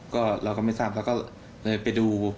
ก็เราก็ไม่ทราบเราก็เลยไปดู